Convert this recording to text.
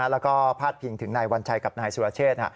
แล้วก็พาดพิงถึงนายวัญชัยกับนายสุรเชษ